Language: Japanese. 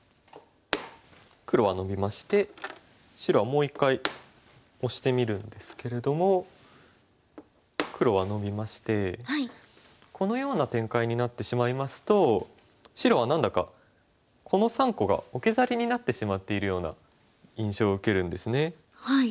黒はノビまして白はもう一回オシてみるんですけれども黒はノビましてこのような展開になってしまいますと白は何だかこの３個が置き去りになってしまっているような印象を受けるんですね。